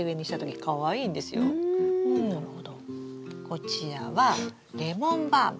こちらはレモンバーム。